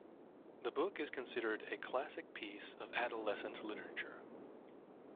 The book is considered a classic piece of adolescent literature.